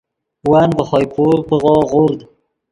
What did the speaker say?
ون ڤے خوئے پور پیغو غورد